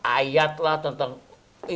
ayatlah tentang ini